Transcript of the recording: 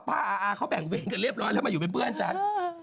อาเขาแบ่งเวรกันเรียบร้อยแล้วมาอยู่เป็นเพื่อนฉัน